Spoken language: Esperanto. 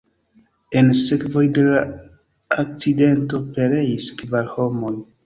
En sekvoj de la akcidento pereis kvar homoj.